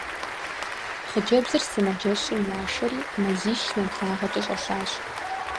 Хъыджэбзыр сымаджэщым яшэри, мазищ нэблагъэкӏэ щӀэлъащ.